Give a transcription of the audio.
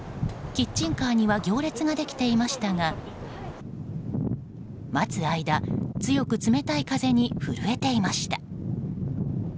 キッチンカーには行列ができていましたが待つ間、強く冷たい風に震えていました。